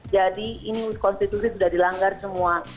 jadi ini konstitusi sudah dilanggar semua